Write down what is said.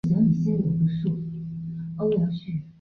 天山柴胡为伞形科柴胡属的植物。